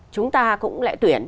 chúng ta cũng lại tuyển